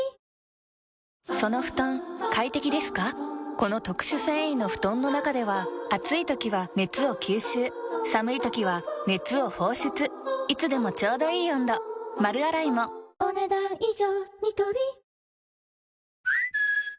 この特殊繊維の布団の中では暑い時は熱を吸収寒い時は熱を放出いつでもちょうどいい温度丸洗いもお、ねだん以上。